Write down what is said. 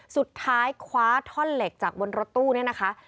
สุดท้ายคว้าท่อนเหล็กจากบนรถตู้เนี่ยนะคะ